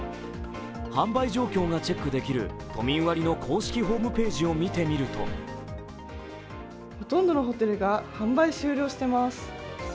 販売状況がチェックできる都民割の公式ホームページを見てみるとほとんどのホテルが販売終了しています。